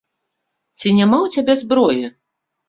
Ці няма ў цябе зброі?!